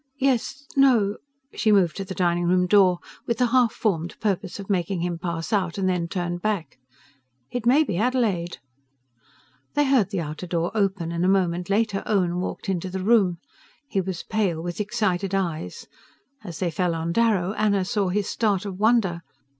"Yes ... no..." She moved to the dining room door, with the half formed purpose of making him pass out, and then turned back. "It may be Adelaide." They heard the outer door open, and a moment later Owen walked into the room. He was pale, with excited eyes: as they fell on Darrow, Anna saw his start of wonder.